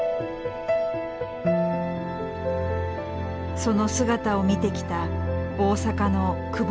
その姿を見てきた大阪の久保三也子さん。